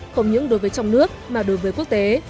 không những đối với trong nước mà đối với quốc tế